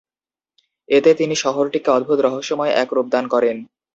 এতে তিনি শহরটিকে অদ্ভুত রহস্যময় এক রূপদান করেন।